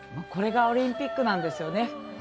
これがオリンピックなんですよね。